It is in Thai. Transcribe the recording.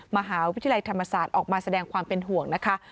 มหาวิทยาลัยธรรมศาสตร์ออกมาแสดงความเป็นห่วงนะคะ